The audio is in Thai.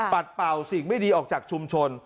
เป่าสิ่งไม่ดีออกจากชุมชน